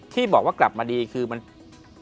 ที่บอกว่ากลับมาดีคือเปลี่ยง